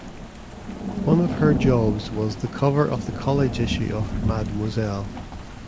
One of her jobs was the cover of the college issue of "Mademoiselle".